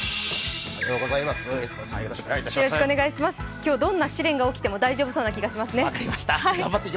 今日、どんな試練が起きても大丈夫そうな気がしますね。